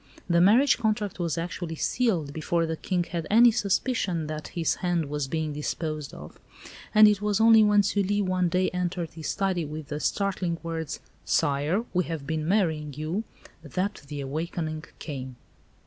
The marriage contract was actually sealed before the King had any suspicion that his hand was being disposed of, and it was only when Sully one day entered his study with the startling words, "Sire, we have been marrying you," that the awakening came.